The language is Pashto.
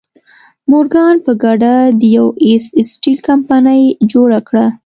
مورګان په ګډه د یو ایس سټیل کمپنۍ جوړه کړه.